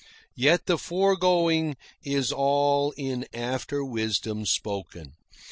Yet the foregoing is all in after wisdom spoken.